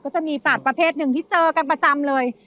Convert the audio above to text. จะมีสัตว์ประเภทหนึ่งที่เจอกันประจำเลย